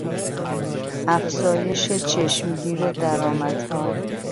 افزایش چشمگیر درآمدها